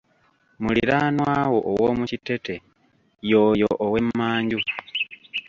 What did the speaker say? Muliranwawo ow'omukitete ye oyo ow’emmanju.